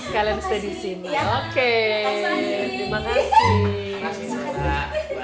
kalau gitu kita